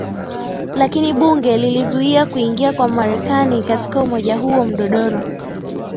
lakini bunge lilizuia kuingia kwa Marekani katika umoja huo Mdodoro